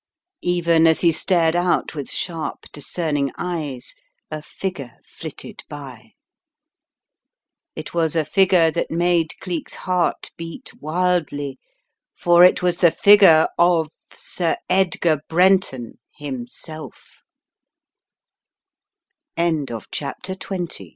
Even as he stared out with sharp, discerning eyes, a figure flitted by. It was a figure that made Cleek's heart beat wildly for it was the figure of Sir Edgar Brenton h